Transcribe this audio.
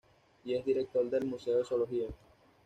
Y es director del "Museo de Zoología".